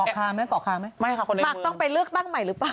กอร์คามั้ยบังต้องไปเลือกตั้งใหม่หรือเปล่า